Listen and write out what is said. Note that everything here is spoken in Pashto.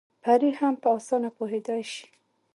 پرې هم په اسانه پوهېدی شي